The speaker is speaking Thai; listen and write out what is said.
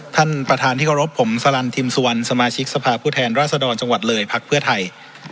ท่านประธานที่เคารพผมสลันทิมสุวรรณสมาชิกสภาพผู้แทนราชดรจังหวัดเลยพักเพื่อไทย